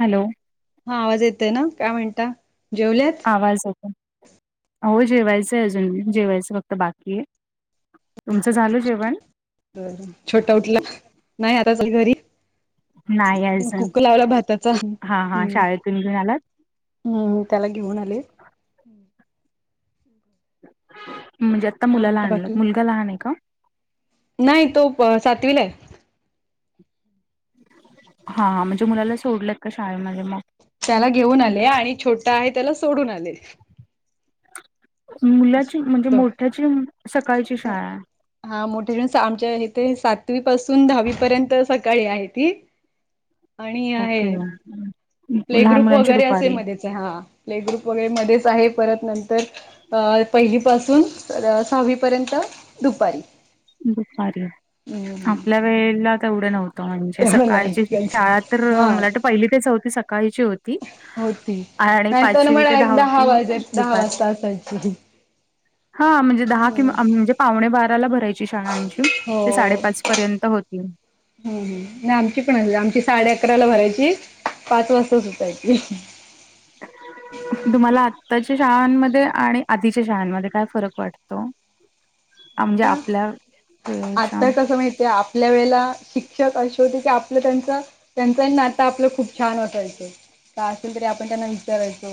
Hello हा आवाज येतय ना काय म्हणता जेवल्यात आवाज होता हो जेवायच अजून जेवायचं फक्त बाकी आहे तुमचं झालं जेवण ब छोटा उठला नाही आता चाल घरी नाही अजून. कुक लावला भाताचा हा हा हम् शाळेतून घेऊन आलात? हम्म मी त्याला घेऊन आले म्हणजे आता काय मुलाला म्हणता आणलं बाकी मुलगा लहान आहे का नाही तो सातवीला आहे हा म्हणजे मुलाला सोडलेत का शाळेमध्ये मग त्याला घेऊन आले आणि छोटा आहे त्याला सोडून आले मुलाची म्हणजे दोघ मोठ्याची सकाळची शाळा आहे हा मोठे आमच्या इथे सातवी पासून दहावी पर्यंत सकाळी आहे ती आणि के आहे प्ले लहान ग्रुप मुलांची वगैरे असे दुपारी मध्येच हा प्ले ग्रुप वगैरे मध्येच आहे परत नंतर अ पहिली पाासून सहावीपर्यंत दुपारी दुपारी हम्म आपल्या वेळेला तेवढं नव्हतं म्हणजे तेवढं नाही सकाळची शाळा तर त्यांचं हा मला वाटत पहिली तेच होती सकाळची होती होती आणि नाहीतर मग पाचवी ते डायरेक्ट दहा दहावी वाजे दहा वाजता दुपारच्या असायची. हा म्हणजे दहा किं म्हणजे पावणे बाराला भरायची शाळा आमची ते साडेपाच पर्यंत होतील हम हम नाही आमची पण अस आमची साडे अकराला भरायची पाच वाजता सुतायची अच् तुम्हाला आत्ताच्या शाळांमध्ये आणि आधीच्या शाळांमध्ये काय फरक वाटतो आ म्हणजे आता आपल्या वेळेच्या आता कसं माहिती आहे आपल्या वेळेला शिक्षक असे होते की आपलं त्यांचं त्यांचं नातं आपलं खूप छान वाटायचं का असेल तरी आपण त्यांना विचारायचो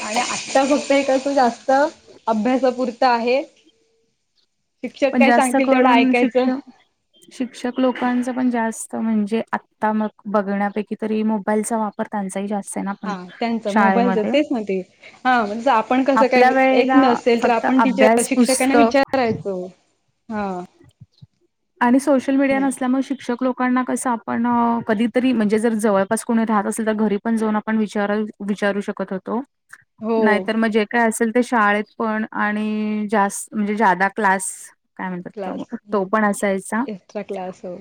आणि आता फक्त हेसं जास्त अभ्यासापुरत आहे शिक्षक पण काय जास्त सांगतील तेवढं करून ऐकायचं. शिक्षण शिक्षक लोकांच पण जास्त म्हणजे आता मग बघण्यापैकी तरी मोबाईलचा वापर त्यांचाही जास्त आहे ना पण हा त्यांच शाळेमध्ये. मोबाईलच तेच न हाण आपण कस आपल्या काही एक वेळेला नस असेल तर फक्त आपण टीचर अभ्यास, शिक्षकांना पुस्तक विचारायचो हा आणि सोशल मीडिया नाही नस त्यामुळ शिक्षक लोकांना कस आपण अ कधीतरी म्हणजे जर जवळपास कोणी राहत असेल तर घरी पण जाऊन आपण विचार विचारू शकत होतो. हो नायतर मग जे काय असेल ते शाळेत पण आणि जास् म्हणजे ज्यादा क्लास काय म्हणतात क्लास तो हं तो पण असायचा. एक्स्ट्रा क्लास हो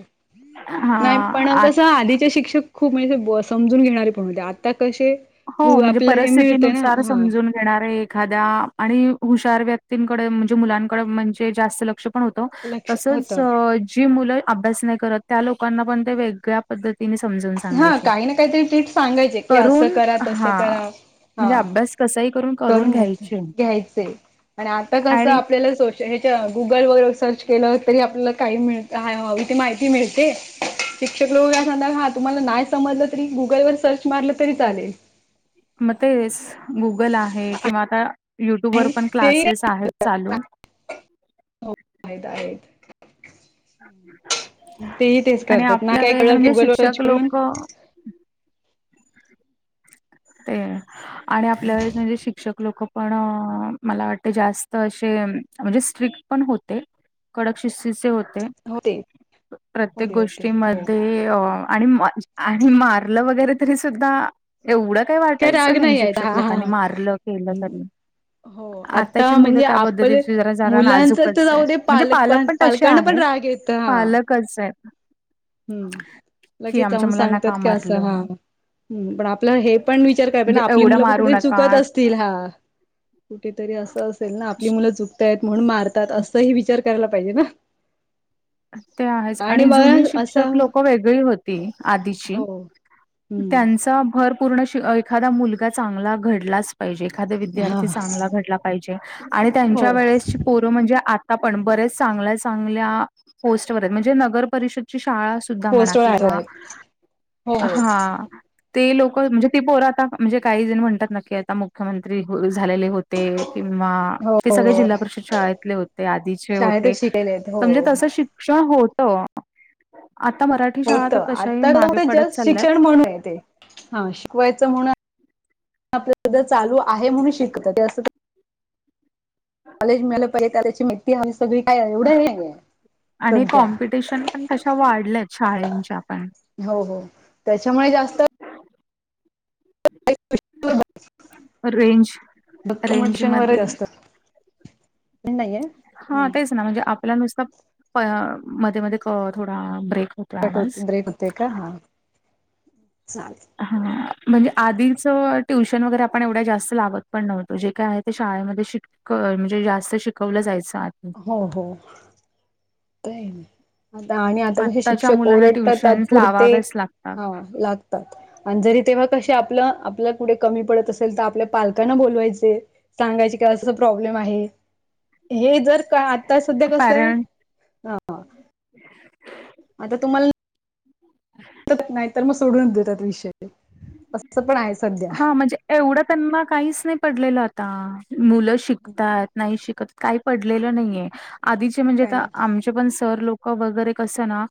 नाय हां, पण आत कसं आधीचे शिक्षक खूप म्हणजे ब समजून घेणारे पण होते आता कसे हो म्हणजे आपलं हे मिळते ना परिस्थितीनुसार हा समजून घेणारे एखाद्या आणि हुशार व्यक्तीकडे म्हणजे मुलांकड म्हणजे जास्त लक्ष पण होत लक्ष होत तसच अ जी मुलं अभ्यास नाय करत त्या लोकांना पण वेगळ्या पद्धतीने समज हा काही ना काहीतरी टिप्स सांगायचे की असं करून करा तसं हा करा हा म्हणजे अभ्यास कसही करून घ्यायच घ्यायचे आणि आता कसं आणि आपल्याला सोश ह्याच्या गुगल वगैरे सर्च केलं तरी आपल्याला काही मिळ हवी इथे माहिती मिळते. शिक्षक लोक काय म्हणतात हा तुम्हाला नाय समजलं तरी गुगल वर सर्च मारलं तरी चालेल. म ते गुगल आहे किंवा आता युट्यूब वर पण क्लासेस आहेत चालू हो आहेत आहेत. तेही तेच आणि करतात नाय आपल्या काय वेळेला कळलं की म्हणजे गुगलवर सर्च शिक्षक करून लोक ते आणि आपल्यावेळेस म्हणजे शिक्षक लोक पण मला वाटते जास्त असे म्हणजे स्ट्रिक पण होते. कडक शिस्तीचे होते होते प्रत्येक होते होते गोष्टी हो मध्ये अ आणि मा आणि मारलं वगैरे तरी सुद्धा एवढं काय राग वाटायचं नाही आहेत हा शिक्षक लोकांनी हा मारलं केलं तरी हो आताची आता मुलं म्हणजे त्या पद्धती आपले ची जरा मुलांच तर नाजूकच आहे जाऊ दे म्हणजे पालक पण तशे पालकांना पण आहेत राग येत हा पालकच येत. हम्म लगेच जाऊन मुलांना का सांगतात की असं मारलं? हा म्हणजे हूं पण आप आपलं हे पण विचार कराय पाहिजे ना आपली एवढं मुलं पण मारू कुठेतरी चुकत नका. असतील हा कुठेतरी असं असेल ना आपली मुलं चुकतायेत म्हणून मारतात असंही विचार करायला पाहिजे ना ते आहेच आणि जुनी मग असा शिक्षक लोक वेगळी होती आधीची हो हम्म त्यानं चा भर पूर्ण श एखादा मुलगा चांगला घडलाच पाहिजे एखादा हा विद्यार्थी चांगला घडला पाहीजे आणि हो त्यांच्या वेळेसी पोर म्हणजे आता पण बऱ्याच चांगल्या चांगल्या पोस्टवर येत म्हणजे नगर परिषदची शाळा सुद्धा म्हणा पोस्टवर किंवा आहेत हो हो हा ते लोक म्हणजे ती पोर आता म्हणजे काही जण म्हणतात न की आता मुख्यमंत्री झालेले होते किंवा ते सगळे हो जिल्हा परिषद शाळेतले होते आधीचे होते. शाळेतच शिकायले हो. तस शिक्षण होत आता मराठी शाळा होत तर तशाही आता मागे ते पडत जस्ट चालल्यात. शिक्षण म्हणून आहे ते हा शिकवायचं म्हणून आपल्यामध्ये चालू आहे म्हणून शिक ते अस कॉलेज मिळालं पहिजे त्याल्याची मी ती म्हणजे सगळी काय एवढं हे नायये आणि कॉम्पिटिशन पण कशा वाढल्यात शाळेनंच्या पण हो हो त्याच्यामुळे जास्त [unintelligible] रेंज रेंज डॉक्युमेंटेशन वगैरे मध्ये जास्त नाहीये हा हम्म तेच ना म्हणजे आपला नुसतं प मध्ये मध्ये थो थोडा ब्रेक हो कट होत ब्रेक होतोय का हा चालेलं. हा म्हणजे आधीच ट्युशन वगैरे आपण एवढ्या जास्त लावत पण नव्हतो जे काय आहे ते शाळेमध्ये शिक म्हणजे जास्त शिकवलं जायचं आत हो हो आता आणि आता कसे आत्ताच्या शिक्षक मुलांना ओरडतात ट्युशन्स तात्पुरते लावाव्याच लागतात. हा लागतात आणि जरी तेव्हा कसे आपलं आपल्या कुठे कमी पडत असेल तर आपल्या पालकांना बोलवायचे सांगायची का अस प्रॉब्लेम आहे हे जर का आता सध्या कसं आहे पॅरेंट ह आता तुम्हाला नाही तर मग सोडून देतात विषय असं पण आहेच हा म्हणजे एवढं त्यांना काहीच नाही पडलेलं आता मुलं शिकतात नाही शिकत काही पडलेलं नाहीये आधीचे म्हणजे काय आ आमच्या पण सर लोक वगैरे कस ना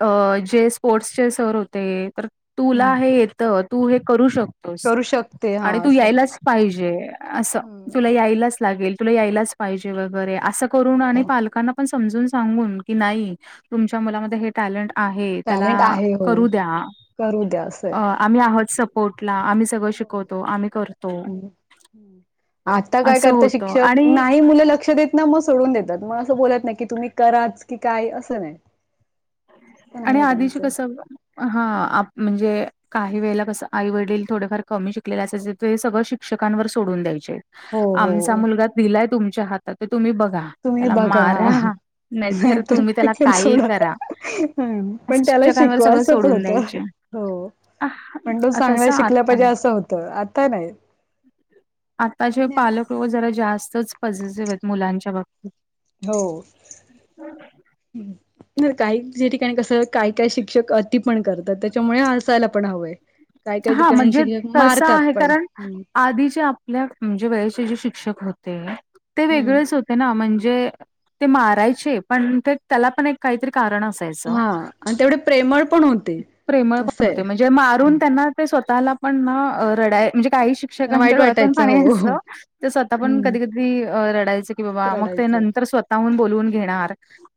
अ जे स्पोर्ट्सचे सर होते तर नाही तुला हे येतं तू हे करू शक करू शकते हा आणि तू असं यायलाच पाहिजे असं हम्म तुला यायलाच े तुला यायलाच पाहिजे वगैरे अस करून आणि हो पालकांना ण समजून सांगून की नाही तुमच्या मुमध्ये टॅलेंट आहे त्याला टॅलेंट आहे हो करू द्या करू द्या असं आहे आम्ही आहोत सपोर्टला आम्ही सगळं शिकवतो आम्ही करतो हम्म आता काय असं करत होतं शिक्षक आणि नाही मुलं लक्ष देत मग सोडून देतात मग असं बलात नाही की तुम्ही कराच की काय असं नाही असं आणि नाहीये आधीच त्यांचं कस हा म्हणजे काही वेळेला कसं आई वडील थोडेफार कमी शिकलेला अस ते सगळं शिक्षकांवर सोडून द्यायचे हो आमचा हो मुलगा दिलाय तुमच्या हात ते तुम्ही बघा तुम्ही त्याला बघा मारा नाही तर तुम्ही त्याला काही करा ह पण असं त्याला शिक्षकांवर शिकवा सगळं असं पण सोडून होतं द्यायचे. हो आह, पण तो चांगला तसं शिकला आता पाहिजे असं होतं आता नाही आताचेे आणि पालक लो जरा जास्तच पॉझिटिव्ह आहेत मुलांच्या बा हो काही ठिकाणी कसं काय काय शिक्षक अति पण करतात त्याच्यामुळे अडसायला पण हवंय. काय काय हा ठिकाणी म्हणजे शिक्षक तसं मारतात आहे पण्. कारण आधीचे आपल्या म्हणजे वेळेचे जे शिक्षक होते ते हम्म वेगळेच होते. ते ना म्हणजे ते मारायचे पण ते. प काहीत कारण अस हा आणि तेवढे प्रेमळ पण होते प्र. असं आहे. म्हणजे मारून त्यांना ते स्वतःला पण रड म्हणजे काही. त्यांना शिक्कांच्या वाईट डोळ्यात पण वाटायचं पाणी घयं हो स्वतः पण हम्म कधी कधी. गदी लडायचं की बाबा मग ते रडायचे नंतर स्वतःहून बोलवून घेणार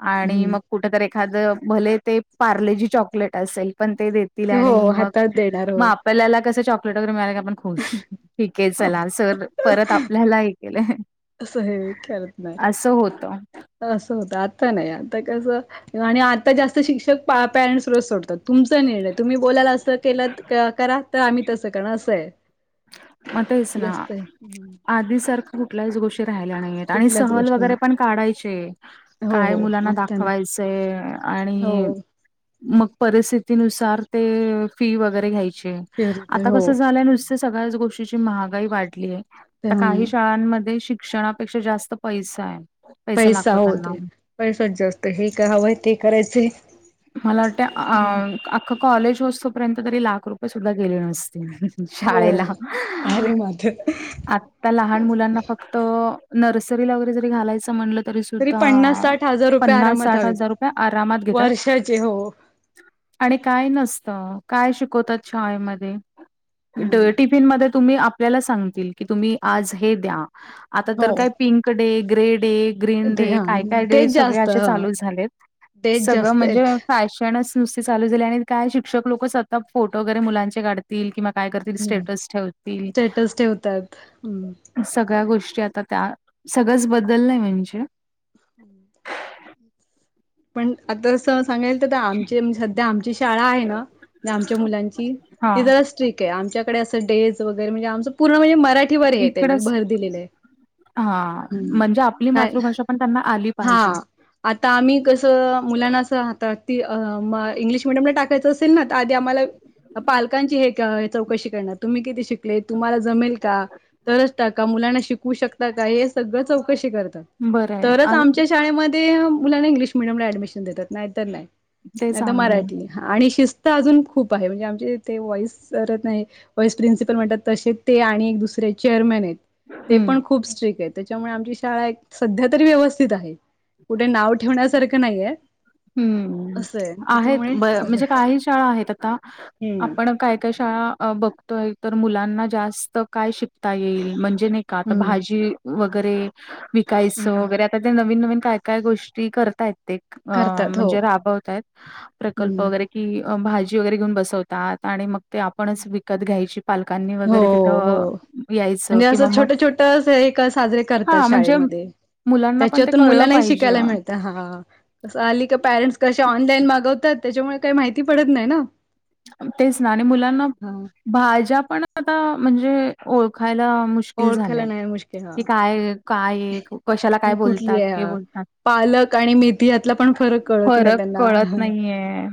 आणि हम्म मग. कुठ तर एखाद भले ते पार्ले जी चॉकलेट असेल पण ते देत. आणि हो मग हातात देणार मग हो. आपल्याला कस चॉकलेट वगैरे मिळा. पण खुश ठीक आहे चला सर परत आपल्याला हे केलंय. असं हे खेळत नाही. असं होत. असं होतं आता नाही आता कसं आणि आता जास्त शिक्षक पॅरेंट्स रच सोडतात. तुमचा निर्णय तुम्ही बोलायला असं केलं करा तर आम्ही तसं करण असं आहे. मताच ना जास्त हं. आधी सारखा कुठल्याच गोष्टी राहिल्या नाहीय. आणि कुठल्याच सहल वगैरे गोष्टीमध्ये पण काढायचे. हो काय हो मुलांना आता नाही दाखवायचंय आणि हो मग परिस्थितीनुसार ते फी वगैरे घ्यायचे फिर रुपये आता हो कस झाल्यानुस. सग्या गोष्टीची महागाई वाढली ते आहे काही हं. शाळमध्ये. क्षणापेक्षा जास्त पैसा आहे. पैसा लागतो त्यांना. होते पैसाच जास्त हे क हवं ते करायचे. मला वाटतें हो अ. कॉलेज व असतोपर्यंत तरी लाख रुपये सुद्धा गेले नसते शाळेला. हो. अरे मात आता लहान मुलांना फक्त नर्सरीला वगैरे जरी घालायचं म्हणलं. तरी पन्नास सुद्धा साठ हजार रुपये पन्नास आरामात साठ हवेत हजार रुपये आरामात घेत. वर्षाचे हो आणि काय नसतं काय शिकवतात शाळेमध्ये हम्म टिफिनमध्ये तुम्ही आपल्याला सांगतील की तुम्ही आज हे द्या आता हो तर काय pink day grey day green ते डे हा काय काय डे तेच सगळे जास्त असे ह चालू झालेत तेच सगळं जास्त म्हणजे आहेत फॅशनच नुसती चालू झाले आणि काय शिक्षक लोकच आता फोटो वगैरे मुलांचे काढत. किंवा काय करतील हं. स्टेटस ठेवतील. स्टेटस ठेवतात हं. सगळ्या गोष्टी आता त्या सगळंच बदललंय म्हणजे. हम्. पण आतां सांगाल तर आमची सध्या आमची शाळा आहे ना आमच्या मुलांची ती हां. जरा स्ट्रिक आहे आमच्याकडे असं डेज वगैरे म्हणजे आमच पूर्ण म्हणजे मराठी. इकड हा म्हणजे आपली काय मातृभाषा पण त्यांना आली. हा पाहिजे. आता आम्ही कसं मुलांना असं ह ती इंग्लिश मिीडियमला टाकायचं असेल ना तर आधी आम्हाला. पालकांची हे का चौकशी करणार तुम्ही किती शिकले तुम्हाला जमेल का. तरच टाका मुलांना शिकवू शकता का हे सगळं चौकशी करतात. बरं तरच आहे. आमच्या शाळेमध्ये मुलांना इंग्लिश मिडियम ला ऍडमिशन देतात नाहीत नाही ते नाही तर चांगलं आहे. मराठी. आणि शिस्त अजून खूप आहे म्हणजे आमचेथे वॉईस सरत नाही वईस प्रिन्सिपल म्हणतात तसेच ते आणि एक दुसऱ्या. चेअरमॅन आहेत ते हं. पण खूप स्ट्रिक आहेत त्याच्यामुळे आमची शाळा एक सध्या तरी व्यवस्थित आहे. कुठे नाव ठेवण्यासारखं नाहीये हम्म असं आहे आहेत त्याच्यामुळे ब चालेल. म्हणजे काही शाळा आहेत आता हम्म आपण काय काय शाळा. अ बघतोय तर मुलांना जास्त काय शिकता येईल म्हणजे नाही का आता हम्म भाजी वगैरे विकायचं हम्म वगैरे आता ते नवीन नवीन काय काय गोष्टी करताय ते अ करतात हो म्हणजे राबवत आहेत प्रकल्प हम्म. वगैरे की भाजी वगैरे घेऊन बसवतात आणि मग ते आपणच विकत घ्यायची पालकांनी वगैरे हो हो तिथं यायचं म्हणजे असं किंवा मग छोटं साजरे करतात हां, म्हणजे शाळेमध्ये मुलांना पण ते त्याच्यातून कळलं मुलांनाही पाहिजे. शिकायला मिळत हा तं आली का पॅरेंट्स कसेा ऑनलाईन मागवतात त्याच्यामुळे काही माहिती पडत नाही ना तेच ना आणि मुलांना हा भाज्या पण आता म्हणजे ओळखायला मु मुकल झालं ओळखायला नाही मुश्किल हा क काय काय कशाला काय ही कुठली बोलतात आहे हे हा. बोलतात पालक आणि मेथीयातला पण फरक कळत नाही फरक त्यांना कळत नाहीये.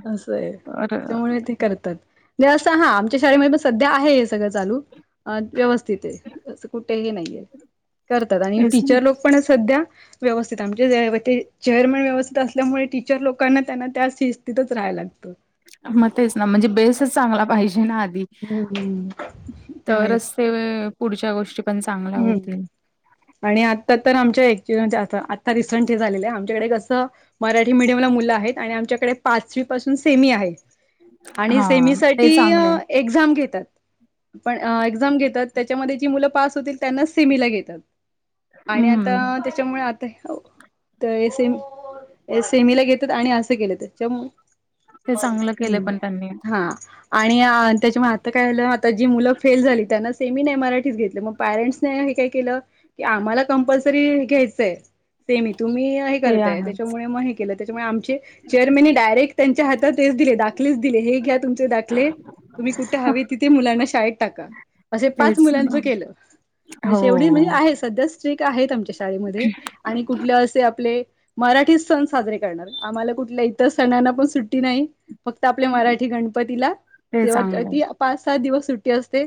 तर त्याच्यामुळे ते करतात असं हा आमच्या शाळेमध्ये पण सध्या आहे हे सगळं चालू व्यवस्थित आहे नाहीे करतात आणि तेच ना टीचर लोक पण सध्या. व्यवस्थित आम ते चेअरमन व्यवस्थित असल्यामुळे टीचर लोकांना त्यांना त्या स्ितीतच राहायला लागतं मग तेच ना म्हणजे बेसच चांगला पाहिजे ना आधी. हम्म तेेत तरच ते पुढच्या गोष्टी पण चांगल्या होतील आणि आत्ता तर आमच्याक्च्यु म्हणजे आत्ता रिसंट हे झालेलं आहे आमच्याकडे कसं मराठी मीडियमला मुलं आहेत आणि आमच्याकडे पाचवी पासून सेमी आहे आणि हां ते सेमीसाठी चांगलंय. एक्झाम घेतात पण एक्झाम घेतात त्याच्यामध्ये जी मुलं पास होतील त्यांना सेला घेतात आणि आ हम्म. त्याच्यामुळे आता सेमीला घेतात आणि असं केलेतच्यामुळे ते चांगलं केलं पण त्यांनी हम् हा आणि त्याच्यामुळे आता काय आलं आता जी मुलं फेल झाली त्यांना सेमीने एम आरआीच घेतलं मग पॅरेंट्सने हे काय केलं की आम्हाला कंपल्सरी घ्यायचंय सेमी ह तुम्ही हे ते करताय आहेच. त्याच्यामुळे मग हे केलं त्याच्यामुळे आमचे चेअरमनने डायरेक्ट त्यांच्या हातात हेच दिले दाखलेच दिले हे घ्या तुमचे दाखले तुम्ही कुठे हवे तिथे मुलांना शाळेत टाका असे पाच तेच ना. मुलांचं केलं अ शेवढी म्हणजे हो. आहे सध्या स्ट्रिक आहे आमच्या शाळेमध्ये आणि कुठले असे आपले मराठी सण साजरे करणार आम्हाला कुठल्या इतर सणांना पण सुट्टी नाही फक्त आपल्या मराठी गणपतीला ते तेव्हा चांगलंय. ती पाच सात दिवस सुट्टी असते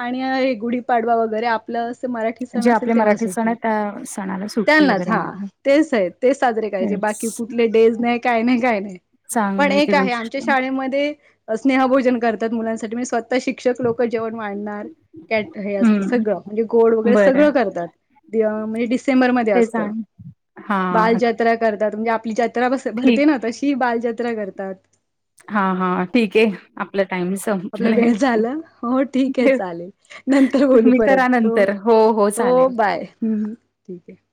आणि हे गुढीपाडवा वगैरे आपलं अस मराठी सण जे आपले असेल मराठी सण तेव्हासाठी आहेत त्या सणाला सुट्टी त्यांनाच वगैरे हा आहे. तेच आहेत तेच साजरे करायचे बाकी तेच कुठले डेज नाही काय नाही काय नाही पण चांगली ती एक आहे आमच्या गोष्ट. शाळेमध्ये स्नेहभोजन करतात मुलांसाठी मणजे स्वतः शिक्षक लोक जेवण मांडणार कॅट हे असतं हं, सगळं म्हण बरं तेच आणि हां, त्रा करतात म्हणजे आपली जत्रा ठीक भरते ना तशी बाल जत्रा करतात हां, हां, ठीक आहे. आपला टाईम आपला संपलाय. वेळ झालं हो ठीक आहे ते चालेल नंतर बोलू तुम्ही करा परत हो नंतर. हो चालेल. बाय ठीक आहे